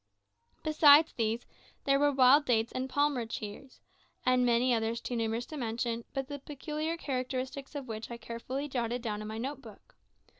Besides these, there were wild dates and palmyra trees, and many others too numerous to mention, but the peculiar characteristics of which I carefully jotted down in my note book.